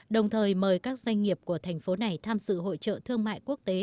đồng thời mời các doanh nghiệp của thành phố này tham sự hội trợ thương mại quốc tế